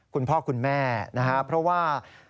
คุณพ่อคุณแม่นะครับเพราะว่า